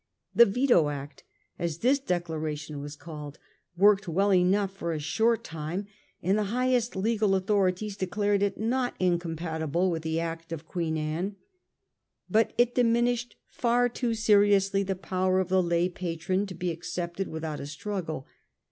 The Veto Act, as this declaration was called, worked well enough for a short time, and the highest legal authorities de clared it not incompatible with the Act of Queen Anne. But it diminished far too seriously the power of the lay patron to be accepted without a struggle.